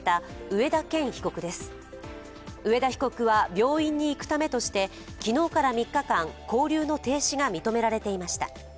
上田被告は病院に行くためとして、昨日から３日間、勾留の停止が認められていました。